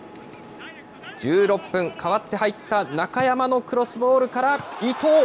１６分、代わって入った中山のクロスボールから、伊東。